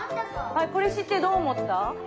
はいこれ知ってどう思った？